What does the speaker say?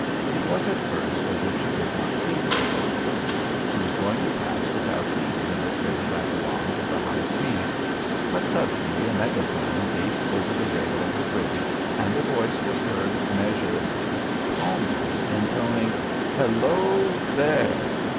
It was at first as if she did not see the Adolphus. She was going to pass without heeding this little vagabond of the high seas. But suddenly a megaphone gaped over the rail of her bridge and a voice was heard measuredly, calmly intoning. "Hello there!